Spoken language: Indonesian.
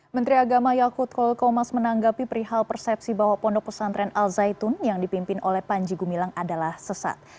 menteri agama yakut kol komas menanggapi perihal persepsi bahwa pondok pesantren al zaitun yang dipimpin oleh panji gumilang adalah sesat